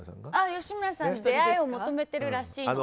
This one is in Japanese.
吉村さん出会いを求めてるらしいの。